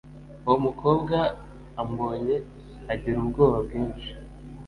uwo mukobwa ambonye agira ubwoba bwinshi